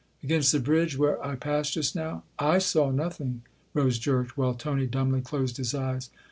" Against the bridge where I passed just now ?/ saw nothing !" Rose jerked, while Tony dumbly closed his eyes.